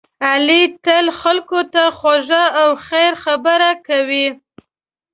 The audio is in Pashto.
علی تل خلکو ته خوږه او خیر خبره کوي.